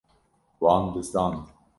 Wan bizdand.